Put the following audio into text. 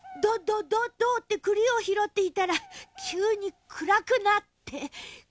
「どどどどうってクリを拾っていたら急に暗くなって」